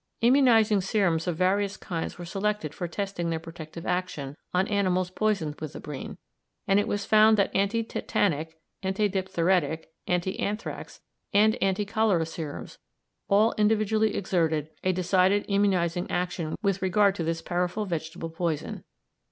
Immunising serums of various kinds were selected for testing their protective action on animals poisoned with abrine, and it was found that anti tetanic, anti diphtheritic, anti anthrax, and anti cholera serums all individually exerted a decided immunising action with regard to this powerful vegetable poison.